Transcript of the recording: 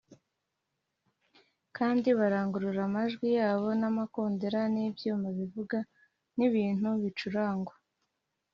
kandi barangurura amajwi yabo n’amakondera n’ibyuma bivuga n’ibintu bicurangwa,